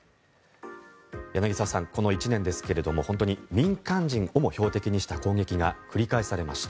柳澤さん、この１年ですけれども本当に民間人をも標的にした攻撃が繰り返されました。